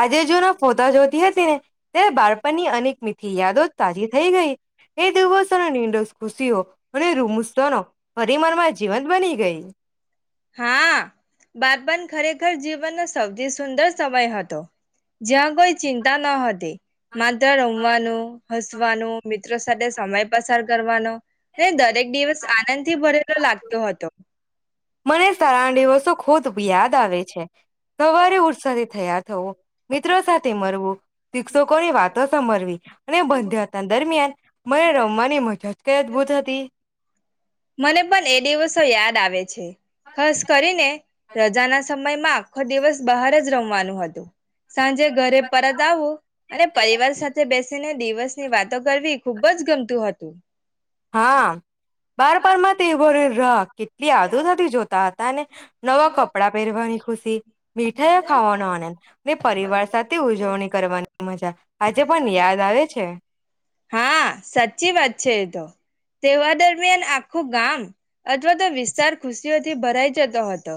આજે જો ના ફોતા જોતી હતી ને ત્યારે બાળપણની અનેક મીઠી યાદો તાજી થઈ ગઈ એ દિવસોનો નિંદો ખુશીઓ અને રૂમુસનો પરિમરમાં જીવંત બની ગઈ હા બાતબન ખરેખર જીવનનો સૌથી સુંદર સમય હતો જ્યાં કોઈ ચિંતા ન હતી માત્ર રમવાનું હસવાનું મિત્રો સાથે સમય પસાર કરવાનો દરેક દિવસ આનંદ થી ભરેલો લાગ તો હતો મને [inaudible] દિવસો ખુદ યાદ આવે છે સવારે ઉરસાથી થયાાર થવું મિત્રો સાથે મરવુ શિક્ષકોની વાતો સાભરવી અને બંધ્યાથ દરમિયાન મને રમવાની મજા જ કઇ અદભૂત હતી મને પણ એ દિવસો યાદ આવે છે ખાસ કરીને રજાના સમયમાં આખો દિવસ બહાર જ રમવાનું હતું સાંજે ઘરે પરત આવું અને પરિવાર સાથે બેસ દિવસ ની વાતો કરવી ખુબ જ ગમતું હતું હા બારપણમા તેઓ રાખ કેટલી આતુરતાથી જોતા હતા ને નવા કપડાં પહેરવાની ખુશી મીઠાઈઓ ખાવાનો આનંદ ને પરિવાર સાથે ઉજવણી કરવાની મજા આજે પણ યાદ આવે છે હા સાચી વાત છે તો તેવા દરમિયાન આખું ગામ અથવા તો વિસ્તાર ખુશ થી ભરાઈ જતો હતો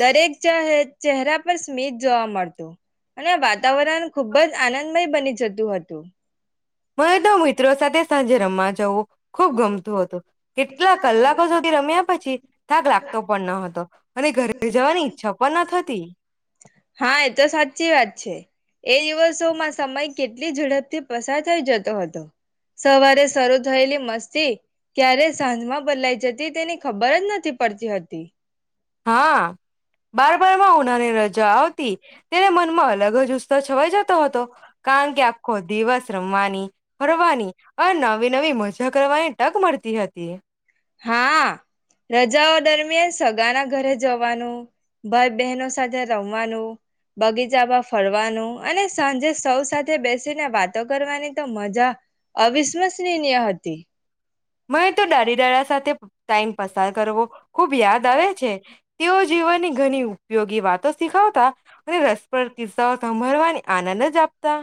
દરેક ચહે ચહેરા પર સ્મિત જોવા મળતું અને વાત વાતારણ ખુબ જ આનંદમય બની જતું હતું મને તો મિત્રો સાથે સાંજે રમવા જઉં ખૂબ ગમતું હતું કેટલા કલાકો સુધી રમ્યા પછી થાક લાગતો પણ ન હતો અને ઘરે જવાની ઈચ્છા પણ ન થતી ચી વાત છે. એ દિવસોમાં સમય કેટલી ઝડપથી પસાર થઈ જતો હતો સવારે શરૂ થયેલી મસ સતી ક્યારે સાંજમાં બદલાઈ જતી તેની ખબર જ નથી પડતી હતી હા બારપણમા ઉનારે રજા જાતી તેના મનમા અલગ જ છવાઈ જતો હતો કારણ કે આખો દિવસ રમ વાની ફરવાની અને નવી નવી મજા કરવાની તક મળતી હતી હા રજાઓ દરમિયાન સગાના ઘરે જવાનુ ભાઈ બહેનો સાથે રમવાનુ બગીચામાં ફરવાનુ અને સાંજે સૌ સાથે બેસીને વાતો કરવાની તો મજા અવિસ્મસ મને તો દાદી દાદા સાથે ટાઈમ પસાર કરવો ખુબ યાદ આવે છે. તેઓ જીવનની ઘણી ઉપયોગી વાત તો શીખાવતા અને રસપ્ર કિસ્સા સાભરવાની આનંદ જ જાપતા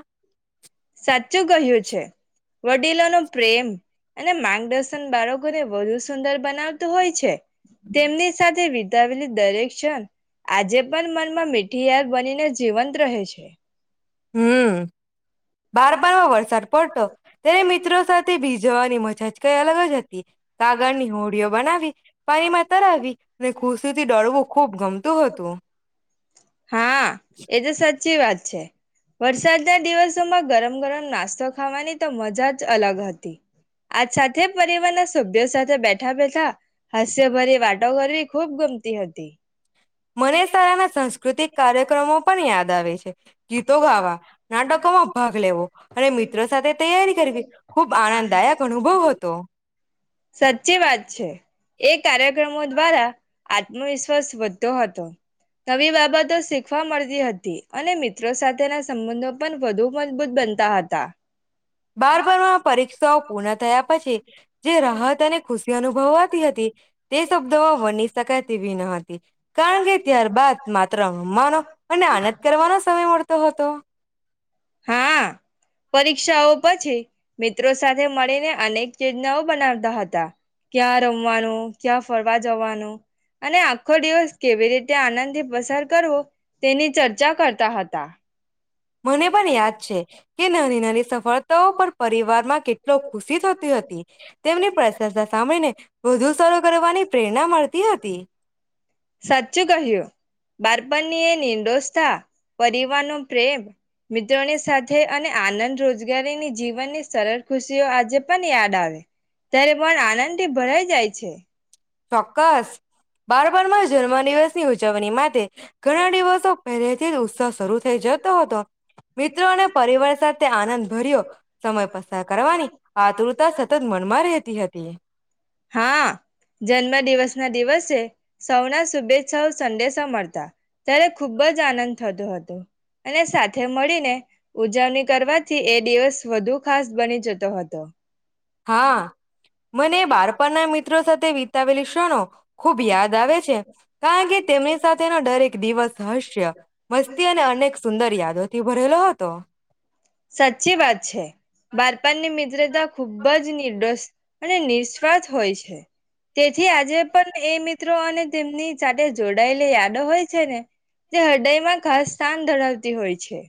સાચું કહ્યું છે. વડીલો નો પ્રેમ અને માર્ગદર્શન બાળકોને વધુ સુંદર બનાવતું હોય છે તેમની સાથે વિતાવેલી દરેક ક્ષણ આજે પણ મનમાં મીઠીયાર બનીને જીવંત રહે છે. બાર બાર વરસાદ પ તો તેને મિત્રો સાથે ભીજવાની મ જા કઈ અલગ જ હતી. કાગળની હોડીઓ બનાવી પાણીમાં તરાવી અને ખુશીથી ડળવું ખૂબ ગમતું હતું. હા એ તો સાચી વાત સાચી વાત છે વરસાદના દિવસોમાં ગરમ ગરમ નાસ્તો ખાવાની તો મજા જ અલગ હતી આજ સાથે પરિવારના સભ્યો સાથે બેઠા બેઠા હાસ્યભરી વાતો કરવી ખૂબ ગુમતી હતી. મને શારાના સાંસ્કૃતિક કાર્યક્રમો પણ યાદ આવે છે ગીતો ગાવા નાટકોમાં ભાગ લેવો અને મિત્રો સાથે તૈયારી કરવી ખૂબ આનંદદાયક અનુભવ હતો. સાચી વાત છે. એ કાર્યક્રમો દ્વારા આત્મવિશ્વાસ વધતો હતો નવી બાબતો શીખવા મળતી હતી અને મિત્રો સાથેના સંબંધો પણ વધુ મજબૂત બનતા હતા. બાર બારમાં પરીક્ષાઓ પૂર્ણ થયા પછી જે રાહત અને ખુશી અનુભવત તી હતી. તે શબ્દો માં વની શકાય તે વી નહ હતી કારણ કે ત્યારબાદ માત્ર રમવાનો અને આનંદ કરવાનો સમય મળતો હતો. હા પરીક્ષાઓ પછી મિત્રો સાથે મળીને અનેક ચયોજનાઓ બનાવતા હતા. ક્યાં રમવાનું, ક્યાં ફરવા જવાનું અને આખો દિવસ કેવી રીતે આનંદ થી પસાર કરવો તેની ચર્ચા કરતા હતા. મને પણ યાદ છે કે નાની નાની સફળતાઓ પર પરિવારમાં કેટલો ખુશી થતી હતી. તેમની પ્રશંસા સાંભીને વધુ સર કરવાની પ્રેરણા મળતી હતી. સાચું કહ્યું, બારપણની એ નિંદોસ થા પરિવાર નો પ્રેમ, મિત્રોની સાથે અને આનંદ રોજગારીની જીવનની સરળ ખુશીઓ આજે પણ યાદ આવે ત્યારે મન આનંદથી ભરાઈ જાય છે ચોક્કસ બાર બારમા જન્મદિવસ ની ઉજવણી માટે ઘણા દિવસો પહેરે તે જ ઉત્સાહ શરૂ થઈ જતો હતો મિત્રો અને પરિવાર સાથે આનંદ ભર્યો સમય પસાર કરવાની આતુરતા સતત મનમાં રહેતી હતી તે હા જન્મ દિવસ ના દિવસે સૌના શુભેચ્છાઓ સંડેશ મળતા ત્યારે ખુબ જ આનંદ થતો હતો અને સાથે મળીને ઉજવણી કરવાથી એ દિવસ વધુ ખાસ બની જતો હતો તો હા મને બાળપણના મિત્રો સાથે વી વિતાવેલી ક્ષનો ખુબ યાદ આવે છે કારણ કે તેમની સાથેનો દરેક દિવસ હસ્ય મસ્તી અને અનેક સુંદર યાદોથી ભરેલો હતો [inaudible] સાચી વાત છે બારપનની મિત્રતા ખુબ જ નિર્દોસ અને નિસ્વાર્થ હોય છે તેથી આજે પણ એ મિત્રો અને તેમની સાથે જોડાયેલી યાદો હોય છે ને જે હૃદયમાં ખાસ સ્થાન ધરાવતી હોય છે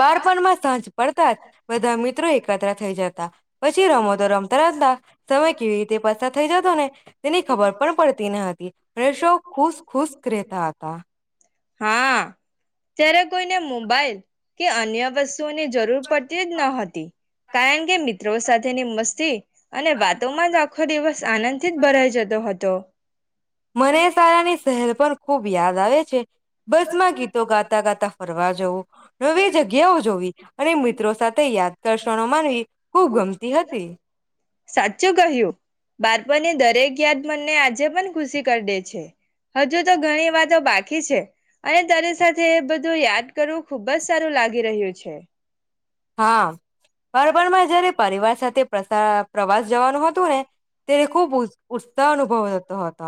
બારપણ માં સાંજ પડતા બધા મિત્રો એકત્ર થઈ જતા. પછી રમોતો રમતા રમતા સમય કેવી રીતે પસાર થઈ જતો ને તેની ખબર પણ પડતી ન હતી અને શો ખુશ ખુશ રહેતા હતા હા ત્યારે કોઈને મોબાઈલ કે અન્ય વસ સ્તુ ની જરૂર પડતી જ ન હતી. કારણ કે મી ત્રો સાથે ની મસ્તી અને વાતોમાં જ આખો દિવસ આનંદથી જ ભરાઈ જતો હતો મને સારાની શહેર પણ ખુબ યાદ આવે છે. બસમાં ગીતો ગાતા ગાતા ફર વા જવું નવી જગ્યાઓ જોવી અને મિત્રો સાથે યાદ દર્શણો માનવી ખૂબ ગમતી હતી. દરેકત મને આજે પણ ખુશી કરી દે છે હજુ તો ઘણી વાતો બાકી છે અને તારે સાત બધું યાદ કરવું ખુબ જ સારું લાગી રહ્યું છે. હા પરબણમાં જયારે પરિવાર સાથે તે પ્રસા પ્રવાસ જવાનું હતું ને તેને ખુબ ઉત્સાહ અનુભવતો હતો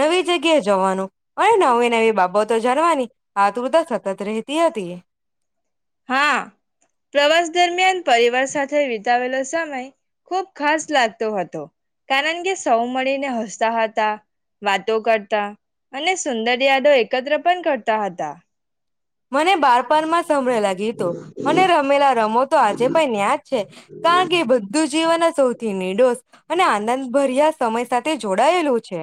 નવી જગ્યા જવાનું અને નવી નવી બાબતો જરવાની હા તું બધા સતત રતી હતી. હા પ્રવાસ દરમિયાન પરિવાર સાથે વિતાવેલો સમય ખુબ ખાસ લાગતો હતો કારણ કે સૌ મળીને હસતા હતા વાતો કરતા અને સુંદર યાદો એકત્ર પણ કરતા તા હતા મને બળપણ માં સંભળેલા ગીતો અને રમેલા રમ તો આજે પણ ન્યાજ છે કારણ કે બધું જે સૌથી નિર્દોષ અને આનંદભર્યા સમય સાથે જોડાયેલું છે.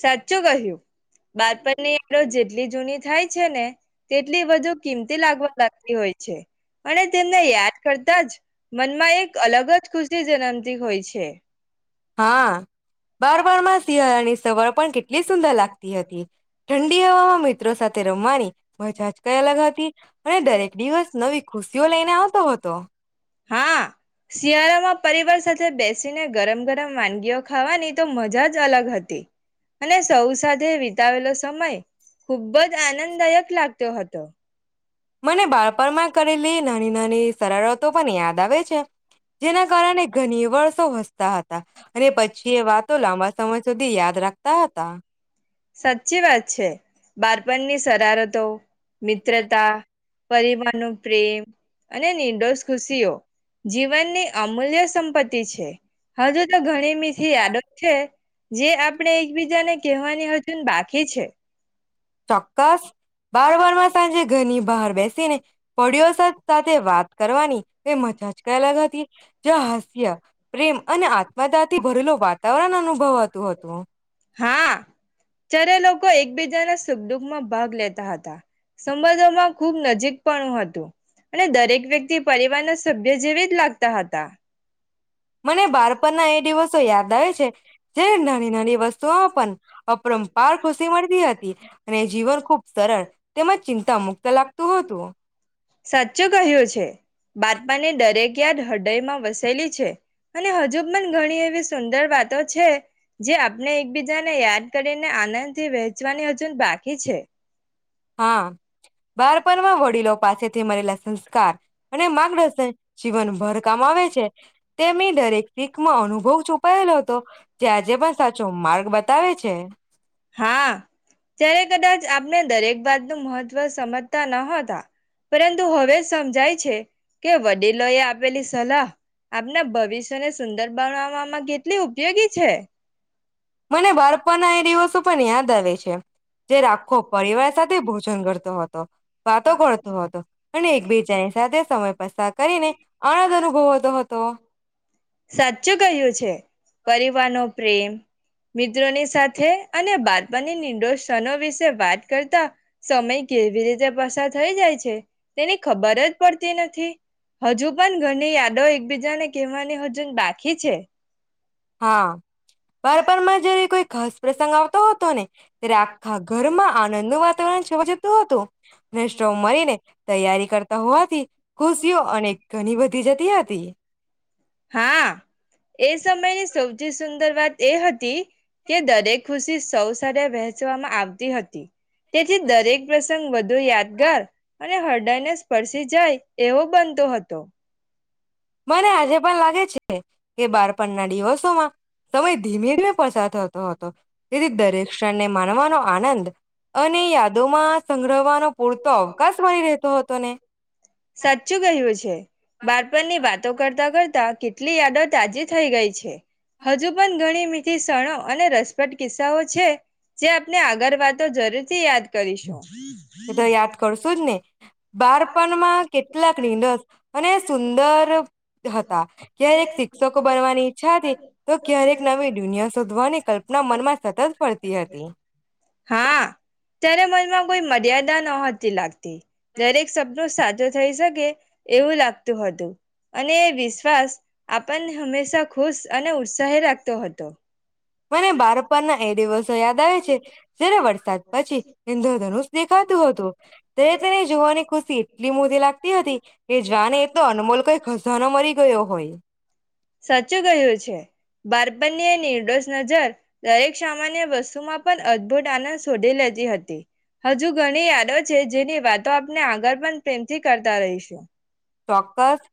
સાચું કહ્યું બાતપણને જેટલી જૂની થાય છે ને તેટલી બધુ કિંમતી લાગવા લાગતી હોય છે અને તેમને યાદ કરતા જ મનમાં એક અલગ જ ખુશી જન્મતી હોય છે હા બાર બાર માં સિહળની સવાર પણ કેટલી સુંદર લાગતી હતી ઠંડી હવામાં મિત્રો સાથે રમવાની મજા જ અલગ હતી અને દરેક દિવસ નવી ખુશીઓ લઈને આવતો હતો હા શિયાળામાં પરિવાર સાથે બેસીને ગરમ ગરમ વાનગીઓ ખાવાની તો મજા જ અલગ હતી અને સૌ સાથે વિતાવેલો સમય ખુબ જ આનંદદાયક લાગત હતો મને બાળપણ માં કરેલી નાની એની સરળતો પણ યાદ આવે છે જેના કારણે ઘણી વરષ વસતા હતા અને પછી એ વાતો લાંબા સમય સુધી યાદ રાખતા તા ત સાચી વાત છે બારપણની શરારતો મિત્રતા પરિવાર નું પ્રેમ અને નિર્દોષ ખુશીઓ જીવનની અમૂલ્ય સંપત્તિ છે હજુ તો ઘણી મીથી યાદો છે જે આપણે એકબીજાને કહેવાની બાકી છે ઘરણી બહાર બેસે ને પળીઓ સાથે વાત કરવાની તે મજા જ કલા હતી જ હાસ્ય પ્રેમ અને આત્મદાથી ભરેલું વાતાવરણ અનુ ભવાતું હતું હા જ્યારે લોકો એકબીજાના સુખ દુઃખમાં ભાગ લેતા હતા સંબંધોમાં ખુબ નજીક પણ હતું અને દરેક વ્યક્તિ પરિવારના સભ્ય જેવી જ લાગતા હતા મને બળપણના એ દિવસો યાદ આવે છે જે નાની નાની વસ્તુમાં પણ અપરંપાર ખુશી મળતી હતી અને જીવન ખૂબ સરળ તેમજ ચિંતા મુક્ત લાગતું હતું સાચું કહ્યું છે બાતમાની દરેક યાદ હૃદયમાં વસેલી છે અને હજુ પણ ઘણી એવી સુંદર વાતો છે જે આપણે એકબીજાને યાદ કરીને આનંદથી વહેંચવાની હજુ બાકી છે હા, બારપણમાં વડીલો પાસે તે મરે. [inaudible] સંસ્કાર અને માર્ગદર્શન જીવનભર કમાવે છે, તેમની દરેક શીખમાં અનુભવ છુપાયેલો હતો જે આજે પણ સાચો માર્ગ બતાવે છે. હા, જ્યારે કદાચ આપને દરેક વાત મહત્વ સમજતા ન હતા. પરંતુ હવે સમજાય છે કે વડીલોએ આપ આપેલી સલાહ આપના ભવિષ્યને સુંદર બનાવામાં કેટલી ઉપયોગી છે. મને બાળપણના એ દિવસો પણ યાદ આવે છે. જે રાખો પરિવાર સાથે ભોજન કરતો હતો. વાતો કરતો હતો અને એકબીજાની સાથે સમય પસાર કરીને આનંદ અનુભવતો હતો. સાચું કહ્યું છે પરિવારનો પ્રેમ મિત્રોની સાથે અને બાળપની નિંદોષનો વિશે વાત કરતા સમય કેવી રીતે પસાર થઈ જાય છે. તેને ખબર જ પડતી નથી. હજુ પણ ઘણી યાદો એકબીજાને કહેવાની હ [inaudible] બાકી છે. હા. બાળપમાં જયારે [unintelligible] સ પ્રસંગ આવતો હતો ને ત્યારે આખા ઘરમાં આનંદ વાત [unintelligible] જતું હતું. [inaudible] મળરીને તૈયારી કરતા હોવાથી ખુશીઓ અને ઘણી બધી [unintelligible] જતી હતી. હા, એ સમય સૌથી સુંદર વાત એ હતી કે દરેક ખુશી સૌ સ વહેચવામાં આવતી હતી. તેથી દરેક પ્રસંગ વધુ યાદગાર, અને હૃદયને સ્પર્શી જાય એવો બનતો હતો. મને આજે પણ લાગે છે કે બારપણ ના દિવસ તમા સમય ધીમે ધીમે પસાર થતો હતો તેથી દરેક ક્ષણને માનવાનો આનંદ હ અને યાદોમાં આ સંગ્રહવાનો પૂર તો અવકાશ મળી રહેતો હતો ને સાચું કહ્યું છે બાળપણની વાત વાતો કરતા કરતા કેટલી યાદો તાજી થઈ ગઈ છે હજુ પણ ઘણી મીઠી સણો અને રસપ્રટ કિસ્સાઓ છે જે આપને આગળ વાતો જરૂર થી યાદ કરીશું એ તો યાદ કરશુ જ ને બાળપણમાં કેટલાક નિંદસ અને સુંદર હતા ક્યારેક શિક્ષકો બનવાની ઈચ્છા હતી તો ક્યારેક નવી દુનિયા શોધવાની કલ્પના મનમાં સતત ફરતી હતી માં કોઈ મર્યાદા નહોતી લાગતી. દરેક શબ્દો સાચ થઈ શકે એવું લાગતું હતું અને એ વિશ્વાસ આપણને હંમેશા ખુશ અને ઉત્સાહે રાગતો હતો. મને બાર પણ ના એ દિવસ યાદ આવે છે જયારે વરસાદ પછી ઇદ્રધનુષ દેખાતું હતું ત્યારે તેને જોવાની ખુશી એટલી મોટી લાગતી હતી કે જાણે એતો અનમોલ કઈ ખજાનો મરી ગયો હોય. સાચું કયું છે બાર પનની એ નિર્દોષ નજર દરેક સામાન્ય બસ પણ અદભુત આનંદ શોધી લેતી હતી હજુ ઘણી યાદો છે જેની વાતો આપને આગળ પણ પ્રેમથી કરતા રહીશું. ચોક્કસ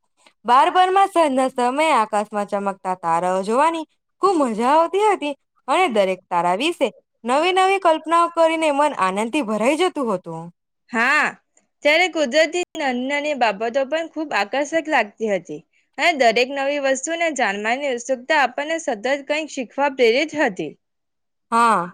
બાર બારમાં સાજના સમયે આકાશ માં ચમકતા તારાઓ જોવાની ખુબ મજા આવતી હતી અને દરેક તારા વિશે નવી નવી કલ્પનાઓ કરીને મન આનંદ થી ભરાઈ જતું હતું. હા ત્યારે કુદરતી નાની નાની બાબતો પણ ખૂબ આકર્ષક લાગતી હતી અને દરેક નવી વસ્તુને જાનમારની ઉત્સુકતા આપણને સતત કઈક શીખવા પ્રેરિત હતી. હા.